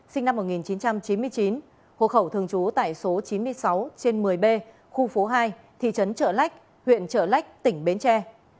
sinh năm một nghìn chín trăm chín mươi chín hộ khẩu thường trú tại số chín mươi sáu trên một mươi b khu phố hai thị trấn trợ lách huyện trợ lách tỉnh bến tre